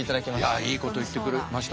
いやいいこと言ってくれました。